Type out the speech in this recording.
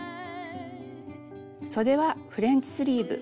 そではフレンチスリーブ。